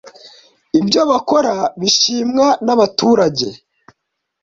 Ibyo bakora bishimwa n’ abaturage